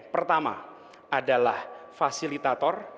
pertama adalah fasilitator